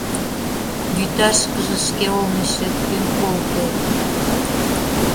Вӱташкыже шке олмешет кӧм колтет?